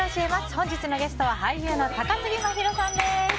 本日のゲストは俳優の高杉真宙さんです。